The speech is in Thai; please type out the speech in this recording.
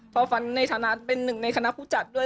พอฝันในฐานะเป็นหนึ่งในคณะผู้จัดด้วย